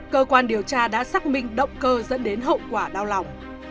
cơ quan điều tra đã xác minh động cơ dẫn đến hậu quả đau lòng